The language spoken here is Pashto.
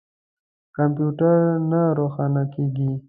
کمپیوټر نه روښانه کیږي